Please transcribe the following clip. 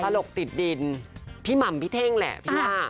ตลกติดดินพี่หม่ำพี่เท่งแหละพี่ว่า